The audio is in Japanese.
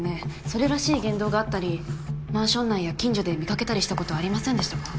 それらしい言動があったりマンション内や近所で見かけたりしたことはありませんでしたか？